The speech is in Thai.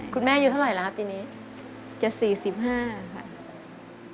คุณแม่อยู่เท่าไหร่หรือครับปีนี้